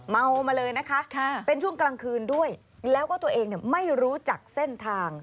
เมามาเลยนะคะเป็นช่วงกลางคืนด้วยแล้วก็ตัวเองไม่รู้จักเส้นทาง